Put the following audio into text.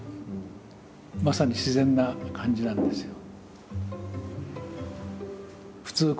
まさに自然な感じなんですよ。